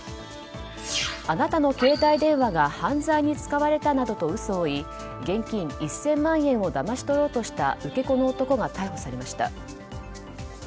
あなたの携帯電話が犯罪に使われたなどと嘘を言い現金１０００万円をだまし取ろうとした受け子の男が逮捕されました。